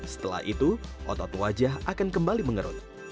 setelah itu otot wajah akan kembali mengerut